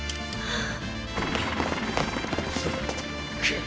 ああ。